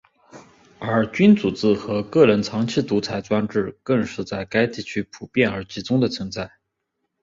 而君主制和个人长期独裁专制更是在该地区普遍而集中地存在。